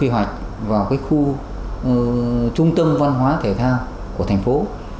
quy hoạch vào khu trung tâm văn hóa thể thao của thành phố